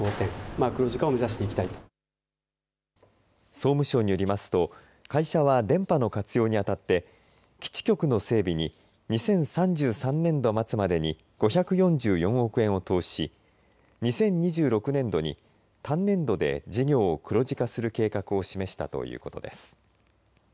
総務省によりますと会社は電波の活用にあたって基地局の整備に２０３３年度末までに５４４億円を投資し２０２６年度に単年度で事業を黒字化する計画を示したということです。